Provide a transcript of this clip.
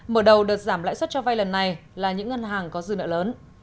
mở đầu đợt giảm lãi suất cho vay lần này là những ngân hàng có dư nợ lớn